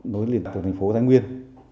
nối liền với thành phố thái nguyên